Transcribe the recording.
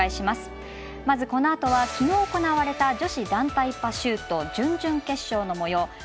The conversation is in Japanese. まずこのあとは、きのう行われた女子団体パシュート準々決勝のもよう。